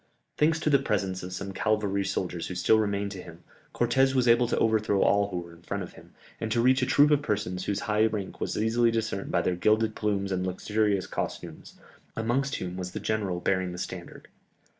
Thanks to the presence of some cavalry soldiers who still remained to him, Cortès was able to overthrow all who were in front of him, and to reach a troop of persons whose high rank was easily discerned by their gilded plumes and luxurious costumes, amongst whom was the general bearing the standard.